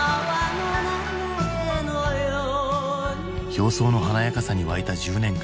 表層の華やかさに沸いた１０年間。